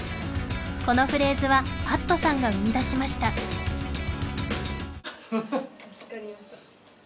このフレーズはパットさんが生みだしました・ハハハ助かりました・